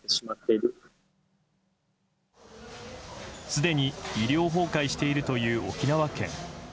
すでに医療崩壊しているという沖縄県。